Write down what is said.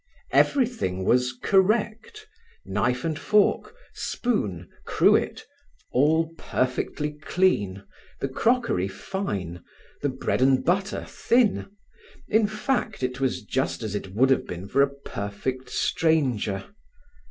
Everything was correct: knife and fork, spoon, cruet, all perfectly clean, the crockery fine, the bread and butter thin—in fact, it was just as it would have been for a perfect stranger.